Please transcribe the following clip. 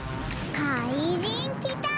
かいじんきた！